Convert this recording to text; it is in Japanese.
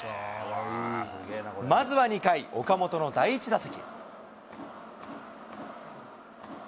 まずは２回、岡本の第１打席。